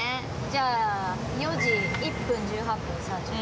じゃあ４時１分１８分３５分。